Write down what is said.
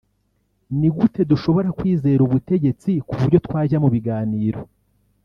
ni gute dushobora kwizera ubutegetsi ku buryo twajya mu biganiro